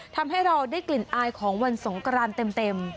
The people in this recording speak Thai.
ทำให้เราได้กลิ่นอายของวันสงกรานเต็ม